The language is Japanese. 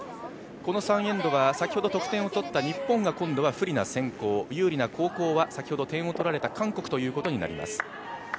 この３エンドは先ほど得点を取った日本が不利な先攻有利な後攻は先ほど点を取られた韓国になります。